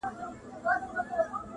په دې فکر کي خورا په زړه افګار یو.!